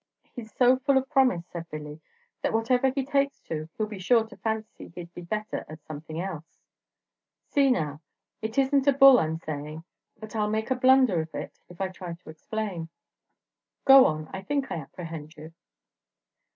"He's so full of promise," said Billy, "that whatever he takes to he 'll be sure to fancy he 'd be better at something else. See, now, it isn 't a bull I 'm sayin', but I 'll make a blunder of it if I try to explain." "Go on; I think I apprehend you."